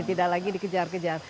tidak lagi dikejar kejar